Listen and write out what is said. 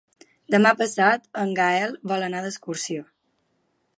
Demà passat en Gaël vol anar d'excursió.